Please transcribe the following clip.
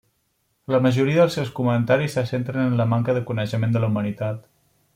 La majoria dels seus comentaris se centren en la manca de coneixement de la humanitat.